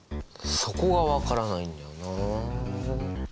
そこが分からないんだよな。